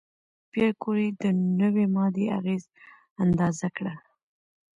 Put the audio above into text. پېیر کوري د نوې ماده اغېزې اندازه کړه.